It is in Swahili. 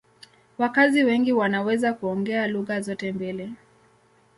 Wakazi wengi wanaweza kuongea lugha zote mbili.